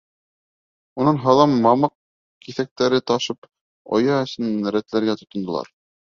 Унан һалам, мамыҡ киҫәктәре ташып, оя эсен рәтләргә тотондолар.